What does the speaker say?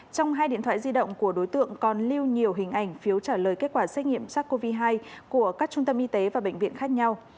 trong hai điện thoại di động của đối tượng còn lưu nhiều hình ảnh phiếu trả lời kết quả xét nghiệm sars cov hai của các trung tâm y tế và bệnh viện khác nhau